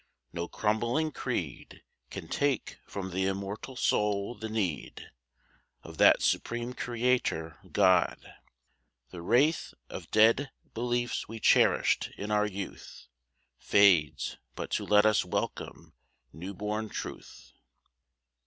No crumbling creed Can take from the immortal soul the need Of that supreme Creator, God. The wraith Of dead beliefs we cherished in our youth Fades but to let us welcome new born Truth.